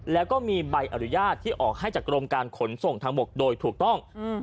แล้วก็มีใบอนุญาตที่ออกให้จากกรมการขนส่งทางบกโดยถูกต้อง